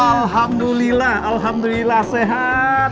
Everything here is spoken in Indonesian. alhamdulillah alhamdulillah sehat